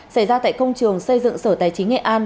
xảy ra tại công trường xây dựng sở tài chính nghệ an